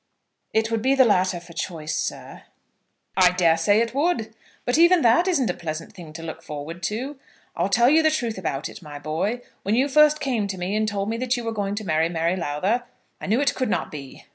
"It would be the latter for choice, sir." "I dare say it would. But even that isn't a pleasant thing to look forward to. I'll tell you the truth about it, my boy. When you first came to me and told me that you were going to marry Mary Lowther, I knew it could not be.